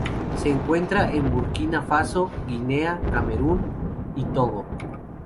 Se encuentra en Burkina Faso, Guinea, Camerún y Togo.